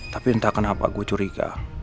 tapi entah kenapa gue curiga